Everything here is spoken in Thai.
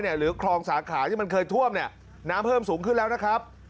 หรือคลองสาขาที่มันเคยท่วมเนี่ยน้ำเพิ่มสูงขึ้นแล้วนะครับ